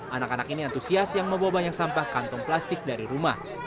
anak anak ini antusias yang membawa banyak sampah kantong plastik dari rumah